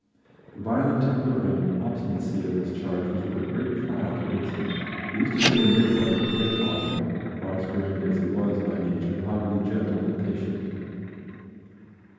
The violent temper and obstinacy of his charges were a great trial to Vincent, who used to say in later life that they had taught him, cross grained as he was by nature, how to be gentle and patient.